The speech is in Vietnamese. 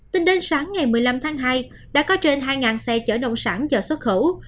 tính đến sáng ngày một mươi năm tháng hai đã có trên hai xe chở nông sản chờ xuất khẩu